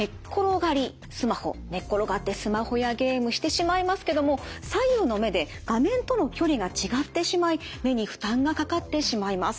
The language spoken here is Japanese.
寝っ転がってスマホやゲームしてしまいますけども左右の目で画面との距離が違ってしまい目に負担がかかってしまいます。